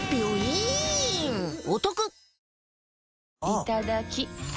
いただきっ！